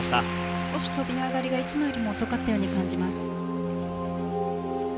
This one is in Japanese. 少し跳び上がりがいつもよりも遅かったように感じます。